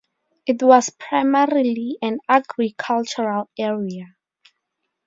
It was primarily an agricultural area.